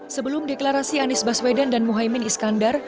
sebelum deklarasi anies baswedan dan muhaymin iskandar